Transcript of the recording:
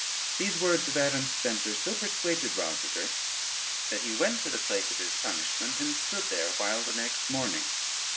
] These words of Adam Spencer so persuaded Rosader, that he went to the place of his punishment, and stood there while the next morning.